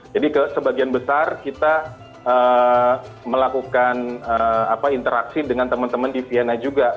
jadi sebagian besar kita melakukan interaksi dengan teman teman di vienna juga